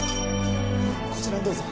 こちらにどうぞ。